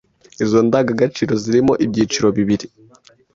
Izo ndangagaciro zirimo ibyiciro bibiri: